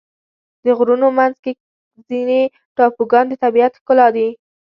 د غرونو منځ کې ځینې ټاپوګان د طبیعت ښکلا دي.